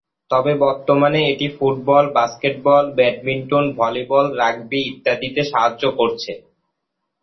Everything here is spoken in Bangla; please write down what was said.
তবে বর্তমানে এটি football, basketball, badminton, volleyball, rugby ইত্যাদিতে সাহায্য করছে।